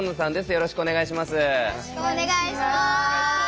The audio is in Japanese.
よろしくお願いします。